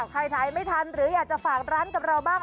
ใครถ่ายไม่ทันหรืออยากจะฝากร้านกับเราบ้าง